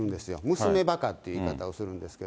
娘ばかっていう言い方をするんですけど。